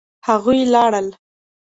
هغوی لاړل